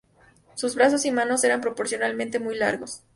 Sus brazos y manos eran proporcionalmente muy largos.